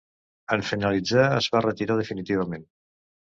En finalitzar es va retirar definitivament.